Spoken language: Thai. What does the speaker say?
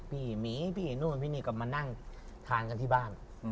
หมีพี่นู่นพี่นี่ก็มานั่งทานกันที่บ้าน